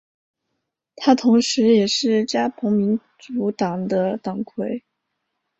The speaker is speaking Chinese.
他同时也是加蓬民主党的党魁。